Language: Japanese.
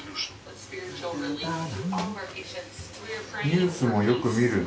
ニュースもよく見るの？